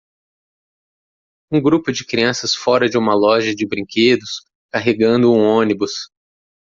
Um grupo de crianças fora de uma loja de brinquedos carregando um ônibus.